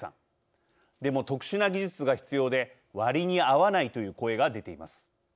でも特殊な技術が必要で割に合わないという声が出ています。